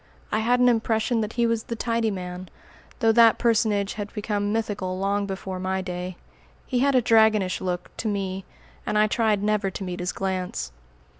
I had an impression that he was the "tidy man," though that personage had become mythical long before my day. He had a dragonish look, to me; and I tried never to meet his glance.